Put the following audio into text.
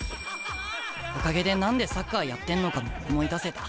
おかげで何でサッカーやってんのかも思い出せた。